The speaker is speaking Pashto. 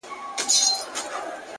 او د دنيا له لاسه’